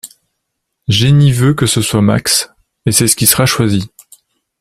Genie veut que ce soit Max, et c'est ce qui sera choisi.